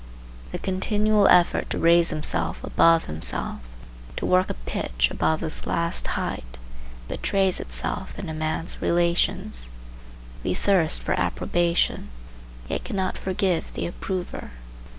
The continual effort to raise himself above himself, to work a pitch above his last height, betrays itself in a man's relations. We thirst for approbation, yet cannot forgive the approver.